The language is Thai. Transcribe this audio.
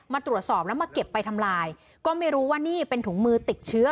มาตรวจสอบแล้วมาเก็บไปทำลายก็ไม่รู้ว่านี่เป็นถุงมือติดเชื้อ